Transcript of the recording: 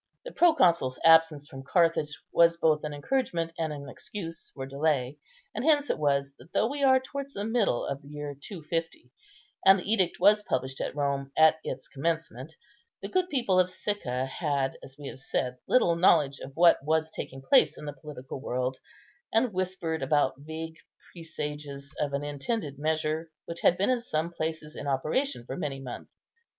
The proconsul's absence from Carthage was both an encouragement and an excuse for delay; and hence it was that, though we are towards the middle of the year 250, and the edict was published at Rome at its commencement, the good people of Sicca had, as we have said, little knowledge of what was taking place in the political world, and whispered about vague presages of an intended measure, which had been in some places in operation for many months.